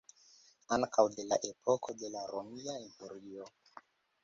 Ankaŭ de la epoko de la Romia Imperio.